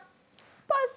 パス！